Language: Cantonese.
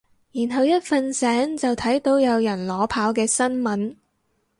然後一瞓醒就睇到有人裸跑嘅新聞